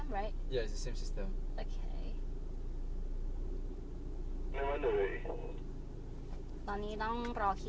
แรกที่เราส่งตอนนี้